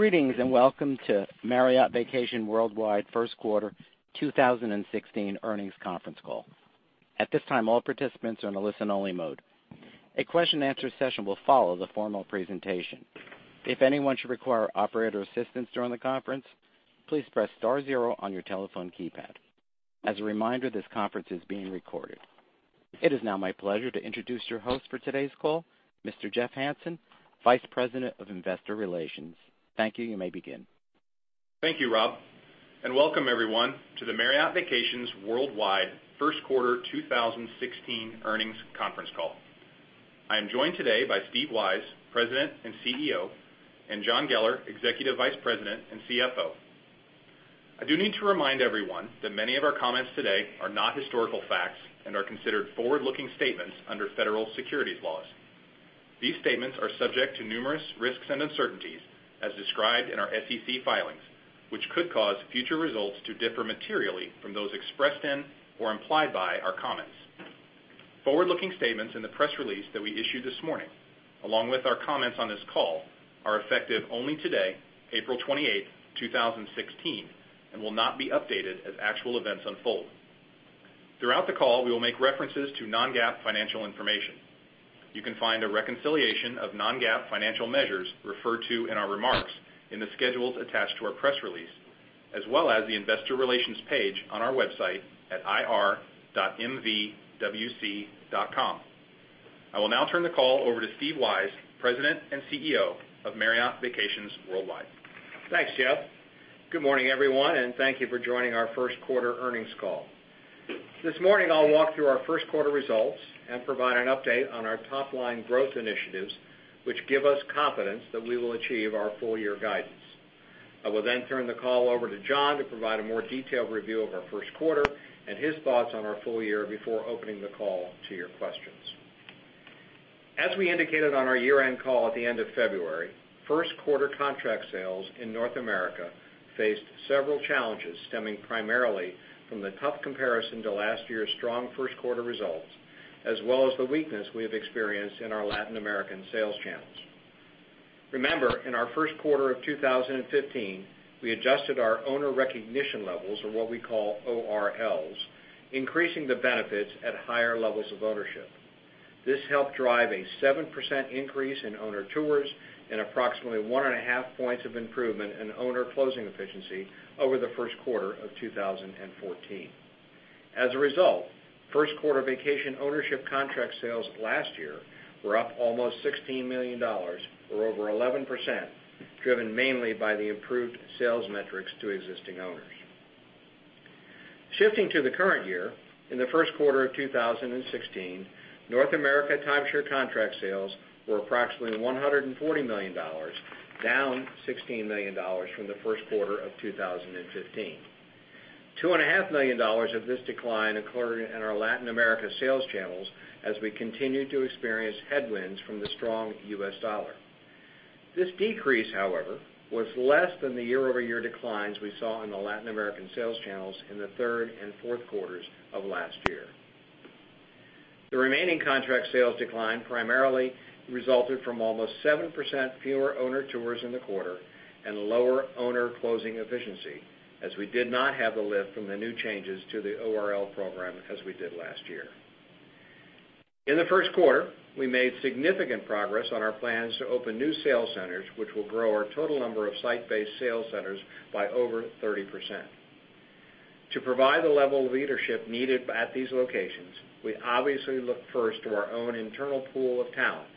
Greetings, welcome to Marriott Vacations Worldwide first quarter 2016 earnings conference call. At this time, all participants are in a listen-only mode. A question and answer session will follow the formal presentation. If anyone should require operator assistance during the conference, please press star zero on your telephone keypad. As a reminder, this conference is being recorded. It is now my pleasure to introduce your host for today's call, Mr. Jeff Hansen, Vice President of Investor Relations. Thank you. You may begin. Thank you, Rob, welcome everyone to the Marriott Vacations Worldwide first quarter 2016 earnings conference call. I am joined today by Steve Weisz, President and CEO, John Geller, Executive Vice President and CFO. I do need to remind everyone that many of our comments today are not historical facts and are considered forward-looking statements under federal laws. These statements are subject to numerous risks and uncertainties, as described in our SEC filings, which could cause future results to differ materially from those expressed in or implied by our comments. Forward-looking statements in the press release that we issued this morning, along with our comments on this call, are effective only today, April 28, 2016, and will not be updated as actual events unfold. Throughout the call, we will make references to non-GAAP financial information. You can find a reconciliation of non-GAAP financial measures referred to in our remarks in the schedules attached to our press release, as well as the investor relations page on our website at ir.mvwc.com. I will now turn the call over to Steve Weisz, President and CEO of Marriott Vacations Worldwide. Thanks, Jeff. Good morning, everyone, thank you for joining our first quarter earnings call. This morning I'll walk through our first quarter results and provide an update on our top-line growth initiatives, which give us confidence that we will achieve our full-year guidance. I will then turn the call over to John to provide a more detailed review of our first quarter and his thoughts on our full year before opening the call to your questions. As we indicated on our year-end call at the end of February, first quarter contract sales in North America faced several challenges stemming primarily from the tough comparison to last year's strong first quarter results, as well as the weakness we have experienced in our Latin American sales channels. Remember, in our first quarter of 2015, we adjusted our owner recognition levels, or what we call ORLs, increasing the benefits at higher levels of ownership. This helped drive a 7% increase in owner tours and approximately one and a half points of improvement in owner closing efficiency over the first quarter of 2014. As a result, first quarter vacation ownership contract sales last year were up almost $16 million, or over 11%, driven mainly by the improved sales metrics to existing owners. Shifting to the current year, in the first quarter of 2016, North America timeshare contract sales were approximately $140 million, down $16 million from the first quarter of 2015. $2.5 million of this decline occurred in our Latin America sales channels as we continued to experience headwinds from the strong U.S. dollar. This decrease, however, was less than the year-over-year declines we saw in the Latin American sales channels in the third and fourth quarters of last year. The remaining contract sales decline primarily resulted from almost 7% fewer owner tours in the quarter and lower owner closing efficiency, as we did not have the lift from the new changes to the ORL program as we did last year. In the first quarter, we made significant progress on our plans to open new sales centers, which will grow our total number of site-based sales centers by over 30%. To provide the level of leadership needed at these locations, we obviously look first to our own internal pool of talent,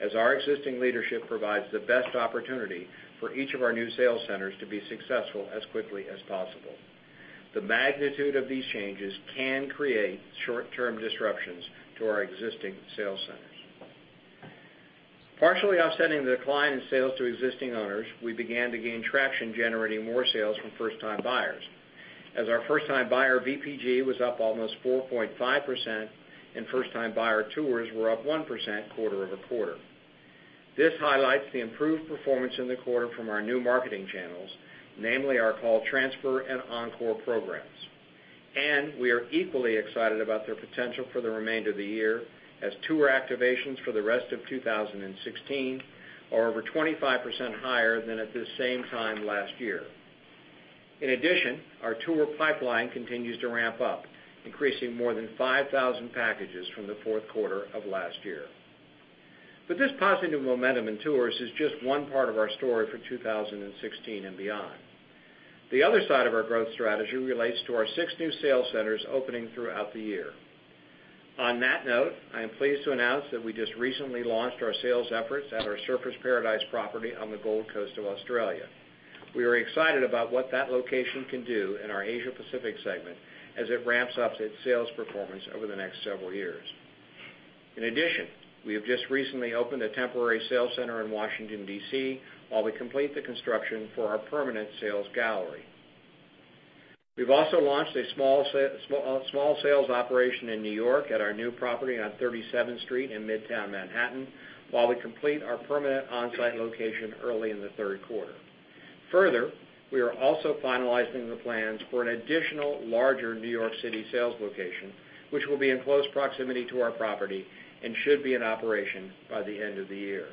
as our existing leadership provides the best opportunity for each of our new sales centers to be successful as quickly as possible. The magnitude of these changes can create short-term disruptions to our existing sales centers. Partially offsetting the decline in sales to existing owners, we began to gain traction generating more sales from first-time buyers, as our first-time buyer VPG was up almost 4.5% and first-time buyer tours were up 1% quarter-over-quarter. This highlights the improved performance in the quarter from our new marketing channels, namely our call transfer and Encore programs. We are equally excited about their potential for the remainder of the year, as tour activations for the rest of 2016 are over 25% higher than at this same time last year. In addition, our tour pipeline continues to ramp up, increasing more than 5,000 packages from the fourth quarter of last year. This positive momentum in tours is just one part of our story for 2016 and beyond. The other side of our growth strategy relates to our six new sales centers opening throughout the year. On that note, I am pleased to announce that we just recently launched our sales efforts at our Surfers Paradise property on the Gold Coast of Australia. We are excited about what that location can do in our Asia Pacific segment as it ramps up its sales performance over the next several years. In addition, we have just recently opened a temporary sales center in Washington, D.C., while we complete the construction for our permanent sales gallery. We've also launched a small sales operation in New York at our new property on 37th Street in Midtown Manhattan while we complete our permanent on-site location early in the third quarter. Further, we are also finalizing the plans for an additional larger New York City sales location, which will be in close proximity to our property and should be in operation by the end of the year.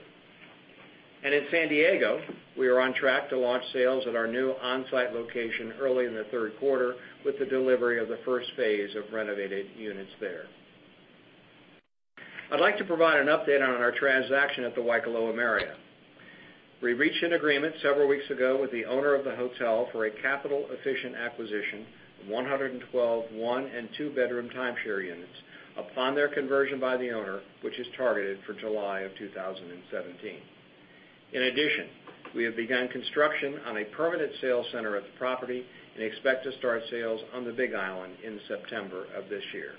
In San Diego, we are on track to launch sales at our new on-site location early in the third quarter with the delivery of the first phase of renovated units there. I'd like to provide an update on our transaction at the Waikoloa Marriott. We reached an agreement several weeks ago with the owner of the hotel for a capital-efficient acquisition of 112 one- and two-bedroom timeshare units upon their conversion by the owner, which is targeted for July of 2017. In addition, we have begun construction on a permanent sales center at the property and expect to start sales on the Big Island in September of this year.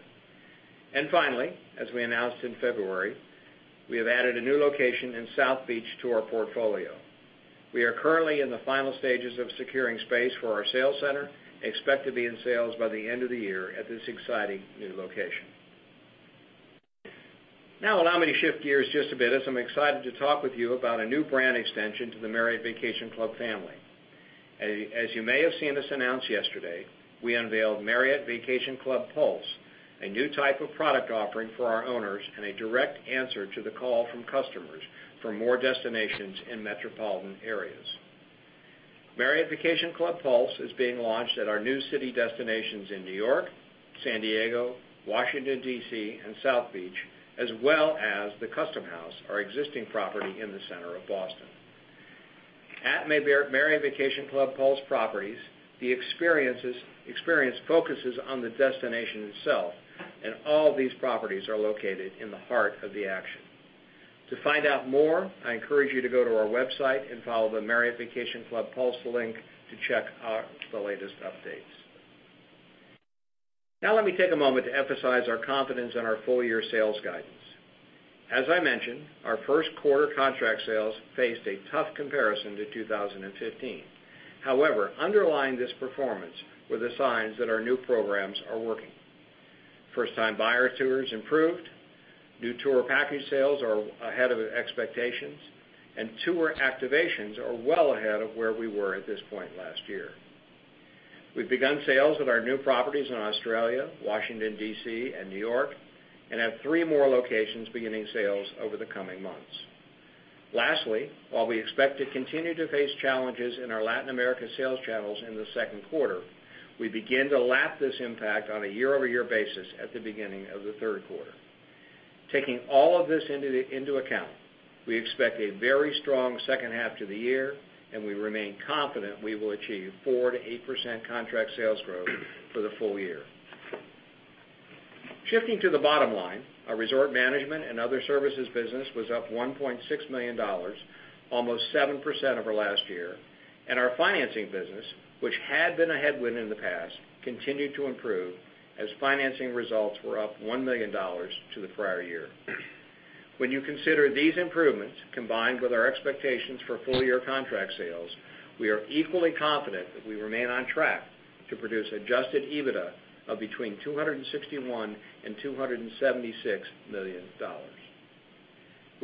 Finally, as we announced in February, we have added a new location in South Beach to our portfolio. We are currently in the final stages of securing space for our sales center and expect to be in sales by the end of the year at this exciting new location. Now allow me to shift gears just a bit, as I'm excited to talk with you about a new brand extension to the Marriott Vacation Club family. As you may have seen us announce yesterday, we unveiled Marriott Vacation Club Pulse, a new type of product offering for our owners and a direct answer to the call from customers for more destinations in metropolitan areas. Marriott Vacation Club Pulse is being launched at our new city destinations in New York, San Diego, Washington, D.C., and South Beach, as well as The Custom House, our existing property in the center of Boston. At Marriott Vacation Club Pulse properties, the experience focuses on the destination itself, and all these properties are located in the heart of the action. To find out more, I encourage you to go to our website and follow the Marriott Vacation Club Pulse link to check out the latest updates. Now let me take a moment to emphasize our confidence in our full-year sales guidance. As I mentioned, our first quarter contract sales faced a tough comparison to 2015. However, underlying this performance were the signs that our new programs are working. First-time buyer tours improved, new tour package sales are ahead of expectations, and tour activations are well ahead of where we were at this point last year. We've begun sales at our new properties in Australia, Washington, D.C., and New York, and have three more locations beginning sales over the coming months. Lastly, while we expect to continue to face challenges in our Latin America sales channels in the second quarter, we begin to lap this impact on a year-over-year basis at the beginning of the third quarter. Taking all of this into account, we expect a very strong second half to the year, and we remain confident we will achieve 4%-8% contract sales growth for the full year. Shifting to the bottom line, our resort management and other services business was up $1.6 million, almost 7% over last year. Our financing business, which had been a headwind in the past, continued to improve as financing results were up $1 million to the prior year. When you consider these improvements combined with our expectations for full-year contract sales, we are equally confident that we remain on track to produce adjusted EBITDA of between $261 million and $276 million.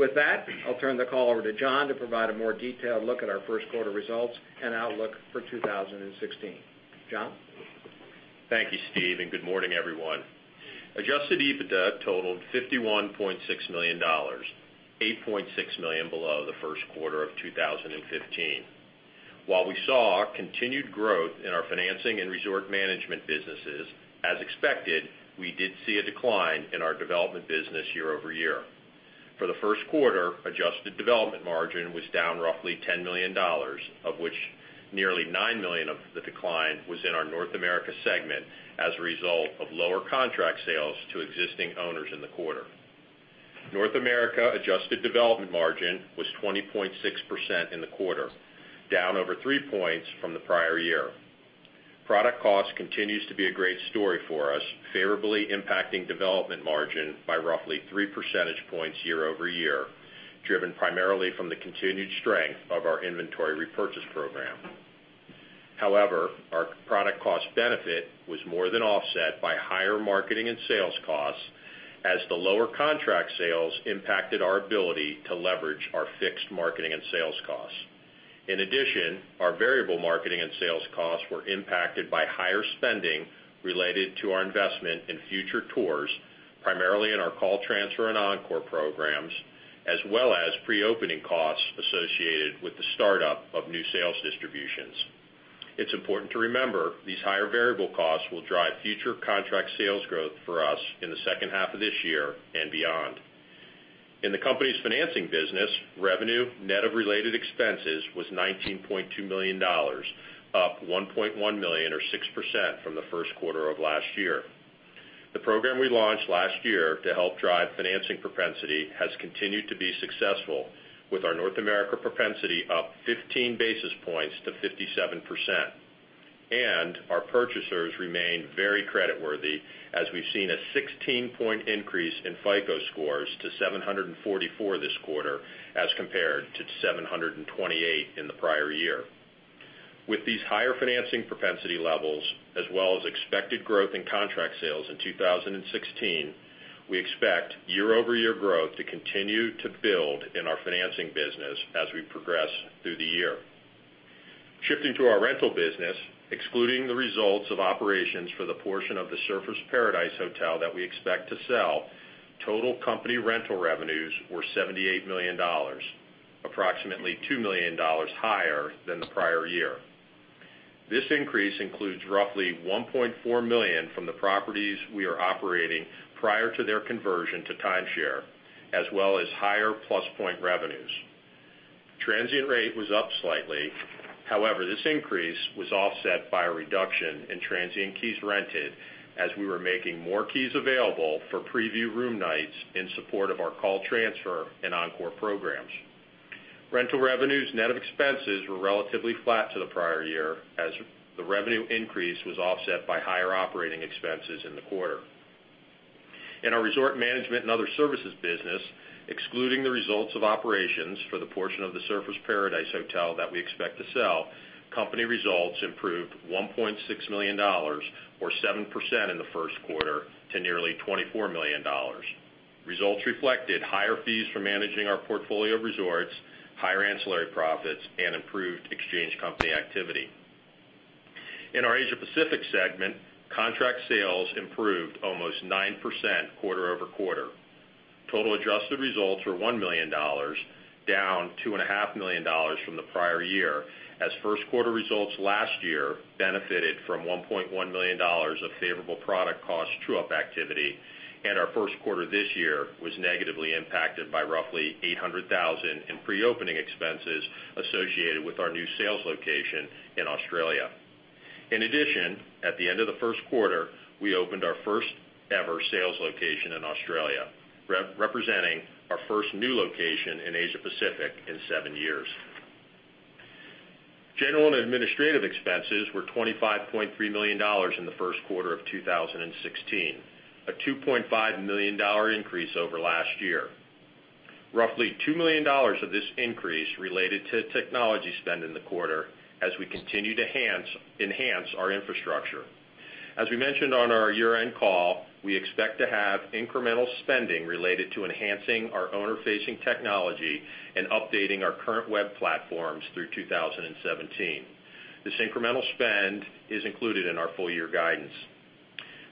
With that, I'll turn the call over to John to provide a more detailed look at our first quarter results and outlook for 2016. John? Thank you, Steve, and good morning, everyone. Adjusted EBITDA totaled $51.6 million, $8.6 million below the first quarter of 2015. While we saw continued growth in our financing and resort management businesses, as expected, we did see a decline in our development business year-over-year. For the first quarter, adjusted development margin was down roughly $10 million, of which nearly $9 million of the decline was in our North America segment as a result of lower contract sales to existing owners in the quarter. North America adjusted development margin was 20.6% in the quarter, down over three points from the prior year. Product cost continues to be a great story for us, favorably impacting development margin by roughly three percentage points year-over-year, driven primarily from the continued strength of our inventory repurchase program. Our product cost benefit was more than offset by higher marketing and sales costs as the lower contract sales impacted our ability to leverage our fixed marketing and sales costs. In addition, our variable marketing and sales costs were impacted by higher spending related to our investment in future tours, primarily in our call transfer and Encore programs, as well as pre-opening costs associated with the startup of new sales distributions. It's important to remember these higher variable costs will drive future contract sales growth for us in the second half of this year and beyond. In the company's financing business, revenue net of related expenses was $19.2 million, up $1.1 million or 6% from the first quarter of last year. The program we launched last year to help drive financing propensity has continued to be successful with our North America propensity up 15 basis points to 57%. Our purchasers remain very creditworthy as we've seen a 16-point increase in FICO scores to 744 this quarter as compared to 728 in the prior year. With these higher financing propensity levels as well as expected growth in contract sales in 2016, we expect year-over-year growth to continue to build in our financing business as we progress through the year. Shifting to our rental business, excluding the results of operations for the portion of the Surfers Paradise Hotel that we expect to sell, total company rental revenues were $78 million, approximately $2 million higher than the prior year. This increase includes roughly $1.4 million from the properties we are operating prior to their conversion to timeshare, as well as higher Plus Point revenues. Transient rate was up slightly. However, this increase was offset by a reduction in transient keys rented as we were making more keys available for preview room nights in support of our call transfer and Encore programs. Rental revenues net of expenses were relatively flat to the prior year, as the revenue increase was offset by higher operating expenses in the quarter. In our resort management and other services business, excluding the results of operations for the portion of the Surfers Paradise Marriott Resort & Spa that we expect to sell, company results improved $1.6 million, or 7%, in the first quarter to nearly $24 million. Results reflected higher fees for managing our portfolio of resorts, higher ancillary profits, and improved exchange company activity. In our Asia Pacific segment, contract sales improved almost 9% quarter-over-quarter. Total adjusted results were $1 million, down $2.5 million from the prior year, as first quarter results last year benefited from $1.1 million of favorable product cost true-up activity, and our first quarter this year was negatively impacted by roughly $800,000 in pre-opening expenses associated with our new sales location in Australia. In addition, at the end of the first quarter, we opened our first-ever sales location in Australia, representing our first new location in Asia Pacific in seven years. General and administrative expenses were $25.3 million in the first quarter of 2016, a $2.5 million increase over last year. Roughly $2 million of this increase related to technology spend in the quarter as we continue to enhance our infrastructure. As we mentioned on our year-end call, we expect to have incremental spending related to enhancing our owner-facing technology and updating our current web platforms through 2017. This incremental spend is included in our full-year guidance.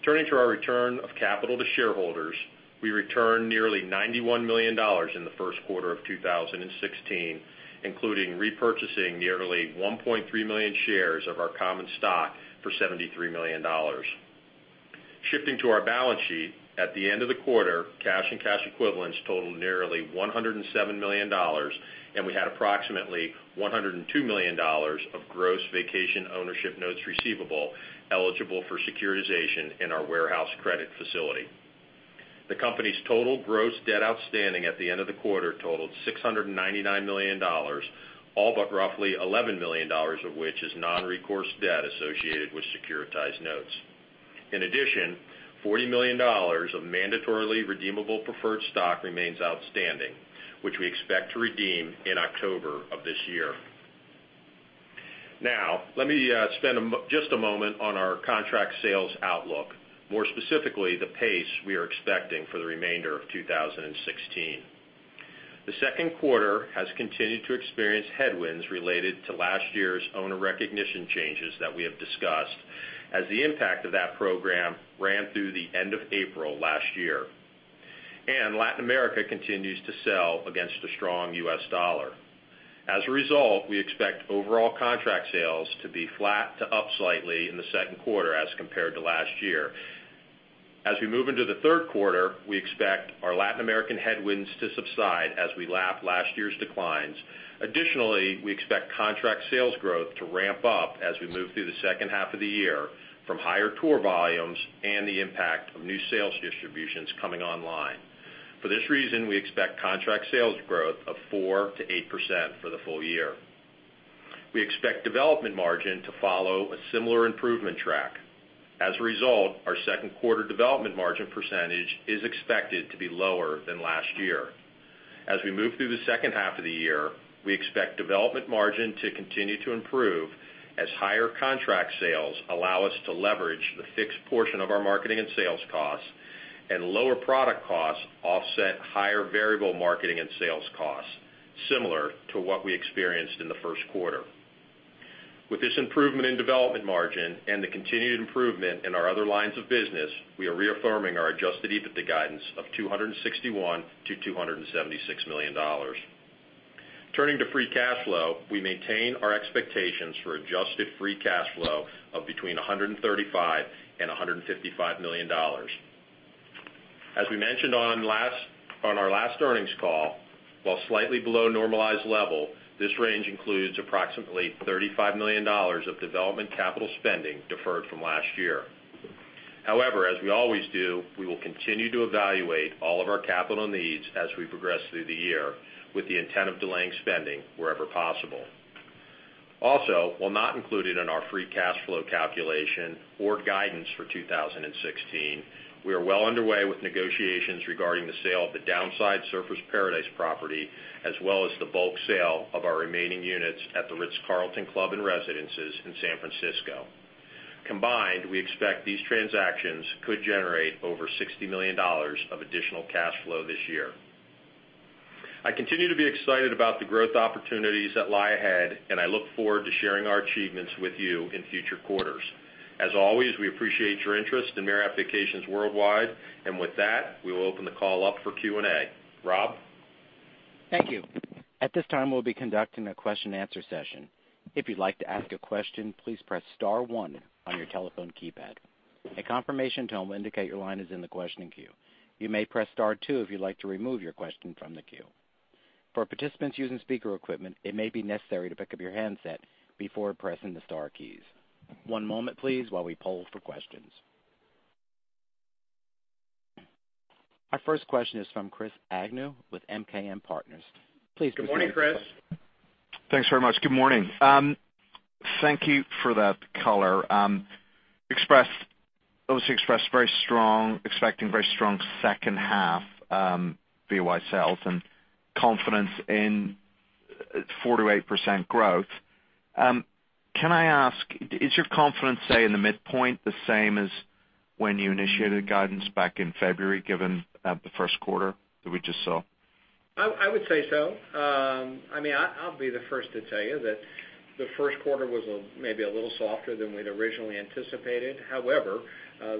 Turning to our return of capital to shareholders, we returned nearly $91 million in the first quarter of 2016, including repurchasing nearly 1.3 million shares of our common stock for $73 million. Shifting to our balance sheet, at the end of the quarter, cash and cash equivalents totaled nearly $107 million, and we had approximately $102 million of gross vacation ownership notes receivable eligible for securitization in our warehouse credit facility. The company's total gross debt outstanding at the end of the quarter totaled $699 million, all but roughly $11 million of which is non-recourse debt associated with securitized notes. In addition, $40 million of mandatorily redeemable preferred stock remains outstanding, which we expect to redeem in October of this year. Now, let me spend just a moment on our contract sales outlook, more specifically, the pace we are expecting for the remainder of 2016. The second quarter has continued to experience headwinds related to last year's owner recognition changes that we have discussed, as the impact of that program ran through the end of April last year. Latin America continues to sell against a strong U.S. dollar. As a result, we expect overall contract sales to be flat to up slightly in the second quarter as compared to last year. As we move into the third quarter, we expect our Latin American headwinds to subside as we lap last year's declines. Additionally, we expect contract sales growth to ramp up as we move through the second half of the year from higher tour volumes and the impact of new sales distributions coming online. For this reason, we expect contract sales growth of 4%-8% for the full year. We expect development margin to follow a similar improvement track. As a result, our second quarter development margin percentage is expected to be lower than last year. As we move through the second half of the year, we expect development margin to continue to improve as higher contract sales allow us to leverage the fixed portion of our marketing and sales costs, and lower product costs offset higher variable marketing and sales costs, similar to what we experienced in the first quarter. With this improvement in development margin and the continued improvement in our other lines of business, we are reaffirming our adjusted EBITDA guidance of $261 million-$276 million. Turning to free cash flow, we maintain our expectations for adjusted free cash flow of between $135 million and $155 million. As we mentioned on our last earnings call, while slightly below normalized level, this range includes approximately $35 million of development capital spending deferred from last year. However, as we always do, we will continue to evaluate all of our capital needs as we progress through the year with the intent of delaying spending wherever possible. While not included in our free cash flow calculation or guidance for 2016, we are well underway with negotiations regarding the sale of the Surfers Paradise property, as well as the bulk sale of our remaining units at The Ritz-Carlton Club and Residences in San Francisco. Combined, we expect these transactions could generate over $60 million of additional cash flow this year. I continue to be excited about the growth opportunities that lie ahead, and I look forward to sharing our achievements with you in future quarters. As always, we appreciate your interest in Marriott Vacations Worldwide. With that, we will open the call up for Q&A. Rob? Thank you. At this time, we'll be conducting a question and answer session. If you'd like to ask a question, please press star one on your telephone keypad. A confirmation tone will indicate your line is in the questioning queue. You may press star two if you'd like to remove your question from the queue. For participants using speaker equipment, it may be necessary to pick up your handset before pressing the star keys. One moment please while we poll for questions. Our first question is from Chris Agnew with MKM Partners. Please proceed. Good morning, Chris. Thanks very much. Good morning. Thank you for that color. Obviously expressed expecting very strong second half VY sales and confidence in 4%-8% growth. Can I ask, is your confidence, say, in the midpoint, the same as when you initiated guidance back in February, given the first quarter that we just saw? I would say so. I'll be the first to tell you that the first quarter was maybe a little softer than we'd originally anticipated. However,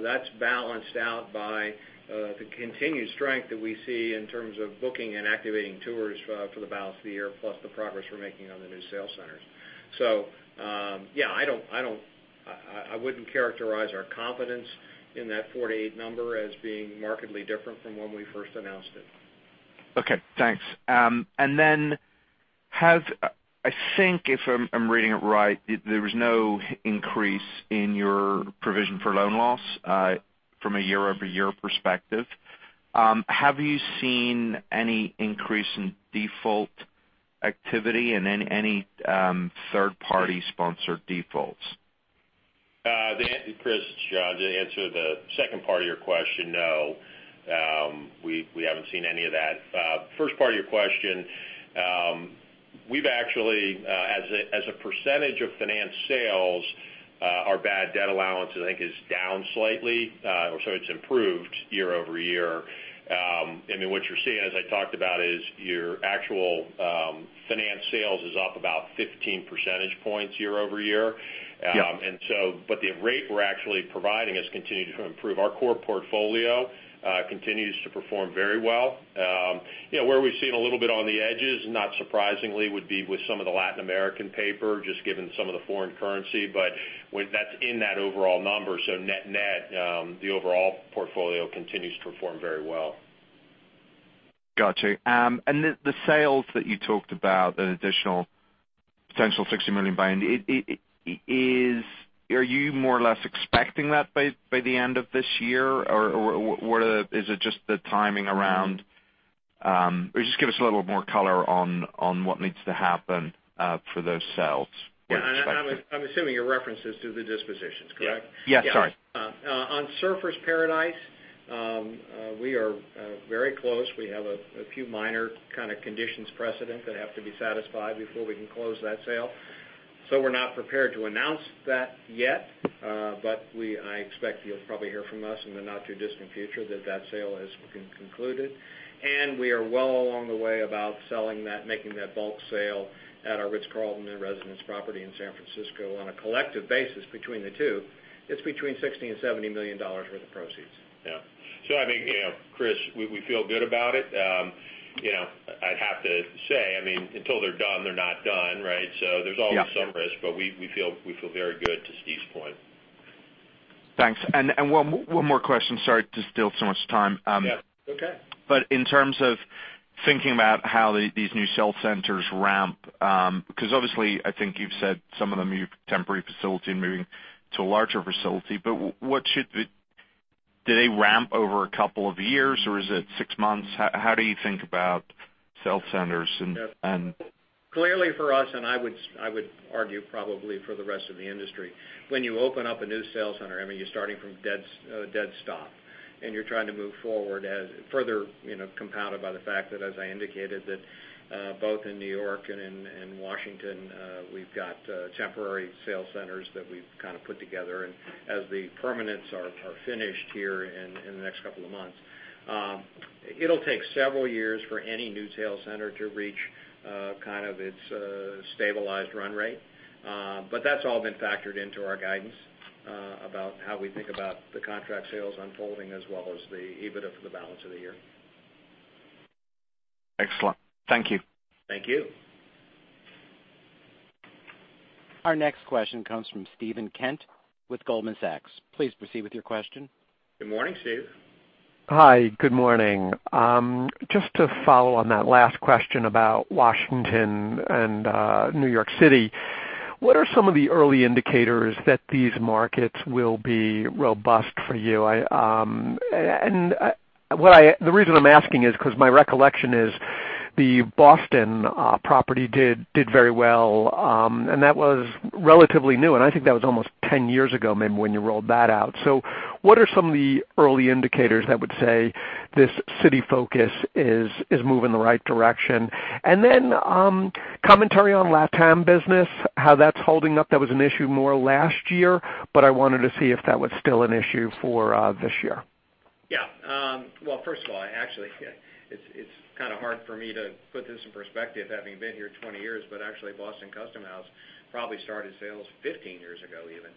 that's balanced out by the continued strength that we see in terms of booking and activating tours for the balance of the year, plus the progress we're making on the new sales centers. Yeah, I wouldn't characterize our confidence in that 4%-8% number as being markedly different from when we first announced it. Okay, thanks. I think, if I'm reading it right, there was no increase in your provision for loan loss from a year-over-year perspective. Have you seen any increase in default activity and any third-party sponsored defaults? Chris, to answer the second part of your question, no. We haven't seen any of that. First part of your question, we've actually, as a percentage of finance sales, our bad debt allowance, I think, is down slightly. It's improved year-over-year. What you're seeing, as I talked about, is your actual finance sales is up about 15 percentage points year-over-year. Yeah. The rate we're actually providing has continued to improve. Our core portfolio continues to perform very well. Where we've seen a little bit on the edges, not surprisingly, would be with some of the Latin American paper, just given some of the foreign currency. That's in that overall number, so net net, the overall portfolio continues to perform very well. Got you. The sales that you talked about, an additional potential $60 million buy-in, are you more or less expecting that by the end of this year, or is it just the timing around, or just give us a little bit more color on what needs to happen for those sales, what you're expecting. Yeah. I'm assuming your reference is to the dispositions, correct? Yeah. Sorry. Yeah. On Surfers Paradise, we are very close. We have a few minor kind of conditions precedent that have to be satisfied before we can close that sale. We're not prepared to announce that yet. I expect you'll probably hear from us in the not-too-distant future that sale has concluded. We are well along the way about selling that, making that bulk sale at our The Ritz-Carlton Club and Residences property in San Francisco. On a collective basis between the two, it's between $60 and $70 million worth of proceeds. Yeah. I think, Chris, we feel good about it. I'd have to say, until they're done, they're not done, right? There's always some risk, but we feel very good to Steve's point. Thanks. One more question. Sorry to steal so much time. Yeah. It's okay. In terms of thinking about how these new sales centers ramp, because obviously, I think you've said some of them, you've temporary facility and moving to a larger facility. Do they ramp over a couple of years, or is it six months? How do you think about sales centers and Yeah. Clearly for us, and I would argue probably for the rest of the industry, when you open up a new sales center, you're starting from dead stop, and you're trying to move forward as further compounded by the fact that, as I indicated, that both in New York and in Washington, we've got temporary sales centers that we've kind of put together. As the permanents are finished here in the next couple of months, it'll take several years for any new sales center to reach kind of its stabilized run rate. That's all been factored into our guidance about how we think about the contract sales unfolding as well as the EBITDA for the balance of the year. Excellent. Thank you. Thank you. Our next question comes from Steven Kent with Goldman Sachs. Please proceed with your question. Good morning, Steve. Hi. Good morning. Just to follow on that last question about Washington and New York City, what are some of the early indicators that these markets will be robust for you? The reason I'm asking is because my recollection is the Boston property did very well, and that was relatively new, and I think that was almost 10 years ago, maybe, when you rolled that out. What are some of the early indicators that would say this city focus is moving the right direction? Commentary on LatAm business, how that's holding up. That was an issue more last year, but I wanted to see if that was still an issue for this year. Yeah. Well, first of all, actually, it's kind of hard for me to put this in perspective, having been here 20 years, but actually Boston Custom House probably started sales 15 years ago even.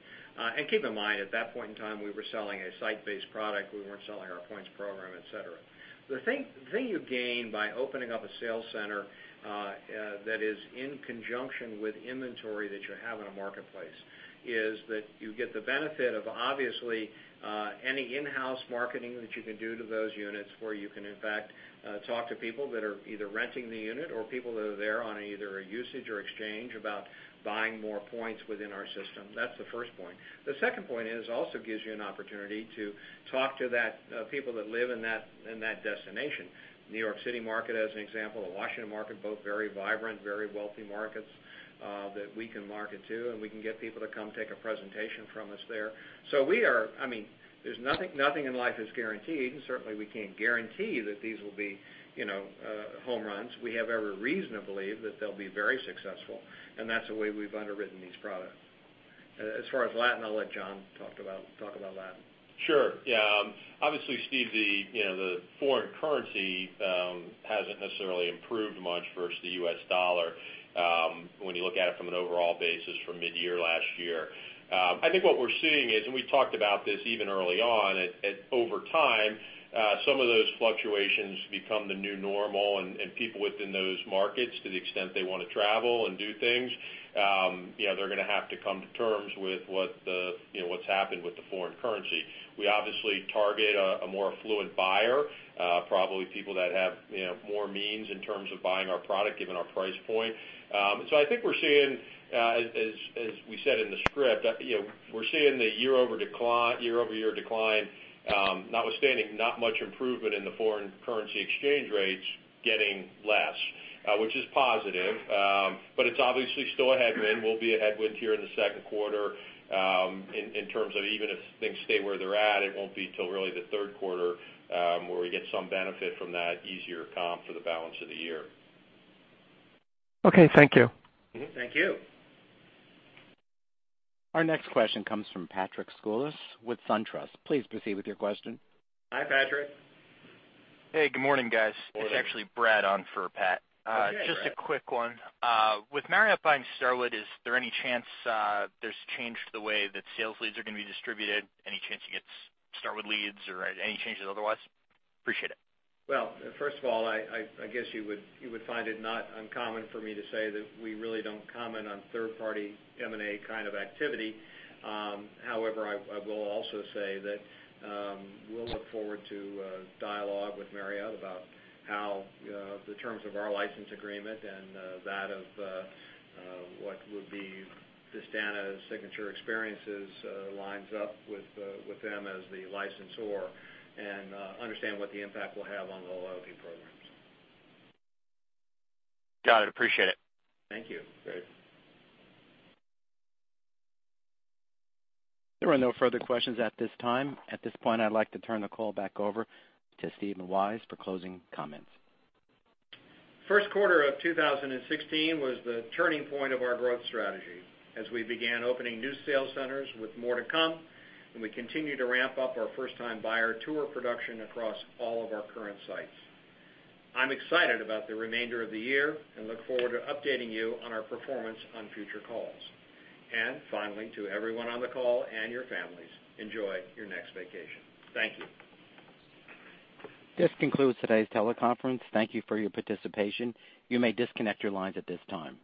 Keep in mind, at that point in time, we were selling a site-based product. We weren't selling our points program, et cetera. The thing you gain by opening up a sales center that is in conjunction with inventory that you have in a marketplace is that you get the benefit of, obviously, any in-house marketing that you can do to those units where you can, in fact, talk to people that are either renting the unit or people that are there on either a usage or exchange about buying more points within our system. That's the first point. The second point is also gives you an opportunity to talk to people that live in that destination. New York City market, as an example, the Washington market, both very vibrant, very wealthy markets that we can market to, and we can get people to come take a presentation from us there. Nothing in life is guaranteed, and certainly we can't guarantee that these will be home runs. We have every reason to believe that they'll be very successful, and that's the way we've underwritten these products. As far as Latin, I'll let John talk about Latin. Sure. Yeah. Obviously, Steve, the foreign currency hasn't necessarily improved much versus the US dollar when you look at it from an overall basis from mid-year last year. I think what we're seeing is, and we talked about this even early on, over time, some of those fluctuations become the new normal, and people within those markets, to the extent they want to travel and do things, they're going to have to come to terms with what's happened with the foreign currency. We obviously target a more affluent buyer, probably people that have more means in terms of buying our product, given our price point. I think we're seeing, as we said in the script, we're seeing the year-over-year decline, notwithstanding not much improvement in the foreign currency exchange rates, getting less, which is positive. It's obviously still a headwind. Will be a headwind here in the second quarter in terms of even if things stay where they're at, it won't be till really the third quarter where we get some benefit from that easier comp for the balance of the year. Okay. Thank you. Mm-hmm, thank you. Our next question comes from Patrick Scholes with SunTrust. Please proceed with your question. Hi, Patrick. Hey, good morning, guys. Morning. It's actually Brad on for Pat. Okay, Brad. Just a quick one. With Marriott buying Starwood, is there any chance there's change to the way that sales leads are going to be distributed? Any chance you get Starwood leads or any changes otherwise? Appreciate it. Well, first of all, I guess you would find it not uncommon for me to say that we really don't comment on third-party M&A kind of activity. However, I will also say that we'll look forward to a dialogue with Marriott about how the terms of our license agreement and that of what would be Vistana's Signature Experiences lines up with them as the licensor and understand what the impact will have on the loyalty programs. Got it. Appreciate it. Thank you, Brad. There are no further questions at this time. At this point, I'd like to turn the call back over to Steve Weisz for closing comments. First quarter of 2016 was the turning point of our growth strategy as we began opening new sales centers with more to come, we continue to ramp up our first-time buyer tour production across all of our current sites. I'm excited about the remainder of the year and look forward to updating you on our performance on future calls. Finally, to everyone on the call and your families, enjoy your next vacation. Thank you. This concludes today's teleconference. Thank you for your participation. You may disconnect your lines at this time.